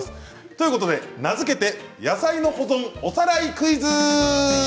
ということで名付けて野菜の保存おさらいクイズ！